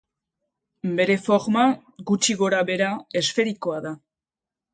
Bere forma, gutxi gora-behera, esferikoa da.